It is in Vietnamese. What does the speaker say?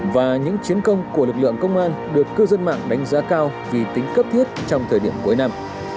và những chiến công của lực lượng công an được cư dân mạng đánh giá cao vì tính cấp thiết trong thời điểm cuối năm